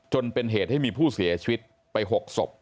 จนเป็นเหตุให้มีผู้เสียชีวิตไป๖ศพ